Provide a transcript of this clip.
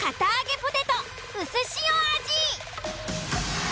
ポテトうすしお味。